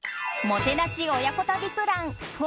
もてなし親子旅プラン